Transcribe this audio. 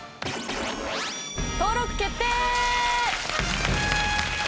登録決定！